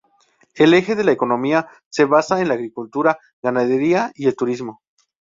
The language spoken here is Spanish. El eje de la economía se basa en la agricultura, ganadería y el turismo.